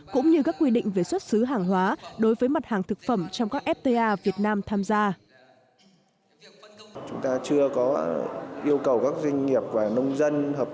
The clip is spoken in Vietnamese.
cũng như các quy định về xuất xứ hàng hóa đối với mặt hàng thực phẩm trong các fta việt nam tham gia